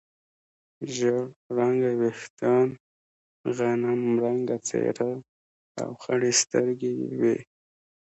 ژړ رنګه وریښتان، غنم رنګه څېره او خړې سترګې یې وې.